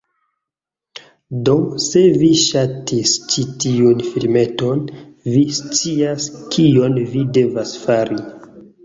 Do, se vi ŝatis ĉi tiun filmeton, vi scias kion vi devas fari.